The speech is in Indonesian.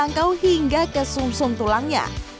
jangan jangkau hingga kesumsum tulangnya